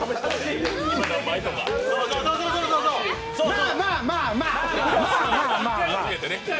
まあ、まあ、まあ、まあ。